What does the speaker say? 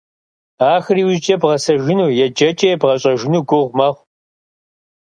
Ахэр иужькӀэ бгъэсэжыну, еджэкӀэ ебгъэщӀэжыну гугъу мэхъу.